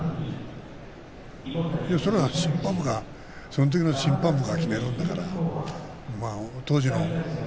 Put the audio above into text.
それは審判部がそのときの審判部が決めるんだから。